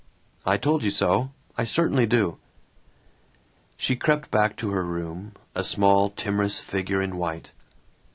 "I told you so! I certainly do!" She crept back to her room, a small timorous figure in white.